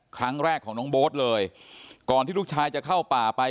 ครั้งแรกของน้องโบ๊ทเลยก่อนที่ลูกชายจะเข้าป่าไป